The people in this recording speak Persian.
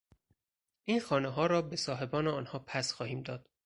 این خانهها را به صاحبان آنها پس خواهیم داد.